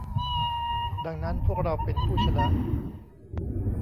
ดังนั้น พวกเราเป็นผู้ชนะ